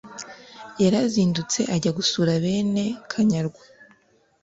Yarazindutse ajya gusura bene kanyarwa